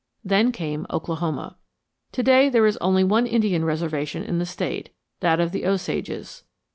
Then came Oklahoma. To day there is only one Indian reservation in the State, that of the Osages.